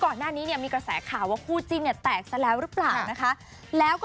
ก่อนหน้านี้มีกระแสข่าวว่าคู่จิ้นแตกซะแล้วรึเปล่า